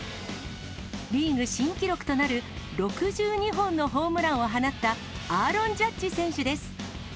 リーグ新記録となる６２本のホームランを放ったアーロン・ジャッジ選手です。